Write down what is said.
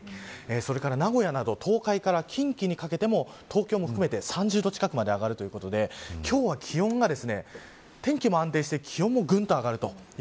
それから名古屋など東海から近畿にかけても東京も含めて３０度近くまで上がるということで今日は気温が天気も安定して気温もぐんと上がると。